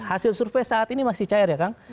hasil survei saat ini masih cair ya kang